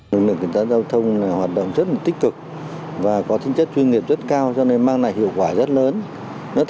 lực lượng cảnh sát giao thông hoạt động rất tích cực và có tinh chất chuyên nghiệp rất cao cho nên mang lại hiệu quả rất lớn